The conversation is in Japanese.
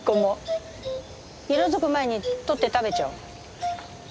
色づく前にとって食べちゃう。